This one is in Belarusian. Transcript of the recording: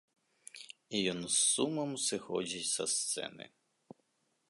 І ён з сумам сыходзіць са сцэны.